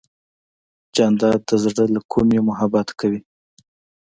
جانداد د زړه له کومې محبت کوي.